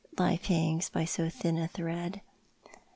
Life hangs h\ so thin a thread.